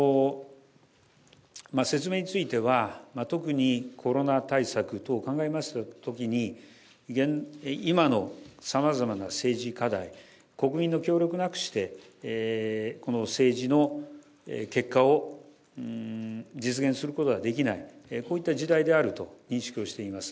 説明については、特にコロナ対策等考えましたときに、今のさまざまな政治課題、国民の協力なくしてこの政治の結果を実現することはできない、こういった時代であると認識をしています。